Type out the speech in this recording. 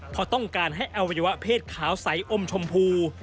เพราะต้องการให้อวัยวะเพศขาวใสอมชมพู